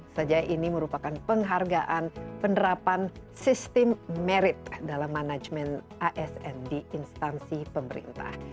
saja ini merupakan penghargaan penerapan sistem merit dalam manajemen asn di instansi pemerintah